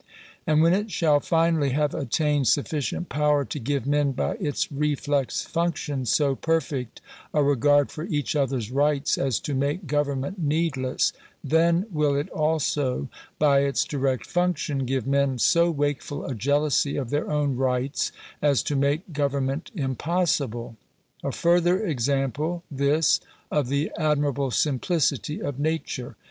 And when it shall finally have attained sufficient power to give men, by its reflex function, so perfect a regard for each others rights as to make government needless ; then will it also, by its direct function, give men so wakeful a jealousy of their own rights as to make government impossible. A further example, this, of the admirable simplicity of nature.